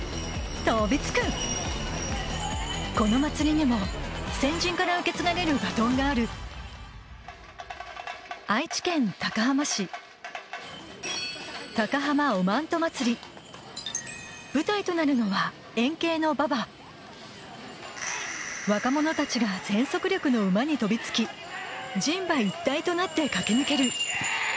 このまつりにも先人から受け継がれるバトンがある舞台となるのは円形の馬場若者たちが全速力の馬に飛び付き人馬一体となって駆け抜ける